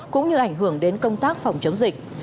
cũng như ảnh hưởng đến công tác phòng chống dịch